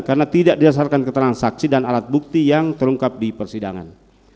karena tidak diasarkan keterangan saksi dan alat bukti yang terungkap di persidangan